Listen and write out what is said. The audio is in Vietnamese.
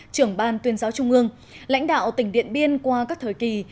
trưởng ban tuyên giáo trung ương lãnh đạo tỉnh điện biên qua các thời kỳ